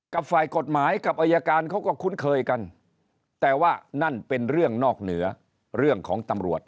กับฝ่ายกฎหมายกับอายการเขาก็คุ้นเคยกันแต่ว่านั่นเป็นเรื่องนอกเหนือเรื่องของตำรวจ